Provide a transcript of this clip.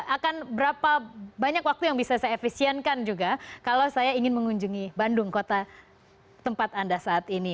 akan berapa banyak waktu yang bisa saya efisienkan juga kalau saya ingin mengunjungi bandung kota tempat anda saat ini